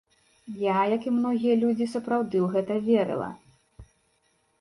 Я, як і многія людзі, сапраўды ў гэта верыла.